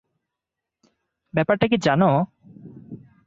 ব্যাপারটা কী জানো?